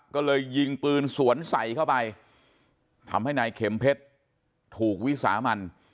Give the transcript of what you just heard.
ก็เลยยิงปืนสวนใส่เข้าไปทำให้นายเข็มเพชรถูกวิสามัน